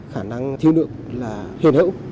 khả năng thiếu nước là hiện hữu